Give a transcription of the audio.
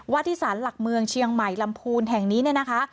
วัฒนศาลหลักเมืองเชียงใหม่ลำพูนแห่งนี้นะคะ